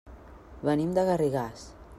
Venim de Garrigàs.